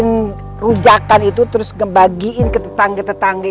bikin rujakan itu terus ngebagiin ke tetangga tetangga